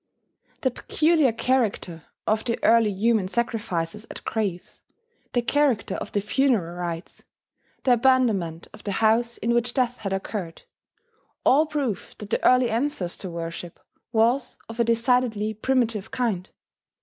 The peculiar character of the early human sacrifices at graves, the character of the funeral rites, the abandonment of the house in which death had occurred. all prove that the early ancestor worship was of a decidedly primitive kind.